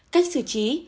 cách xử trí